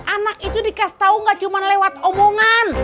anak itu dikasih tahu gak cuma lewat omongan